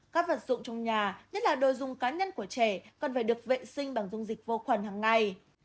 các vật dụng trong nhà nhất là đồ dùng cá nhân của trẻ cần phải được vệ sinh bằng dung dịch vô khuẩn hằng ngày